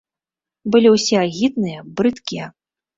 Былі ўсе агідныя, брыдкія.